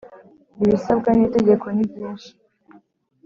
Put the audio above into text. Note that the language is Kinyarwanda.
ibisabwa nitegeko nibyinshi.